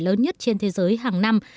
lớn nhất trên thế giới hàng năm